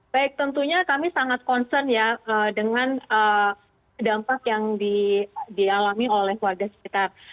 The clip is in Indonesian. baik tentunya kami sangat concern ya dengan dampak yang dialami oleh warga sekitar